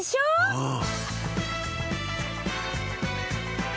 うん。